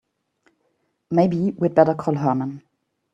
Maybe we'd better call Herman.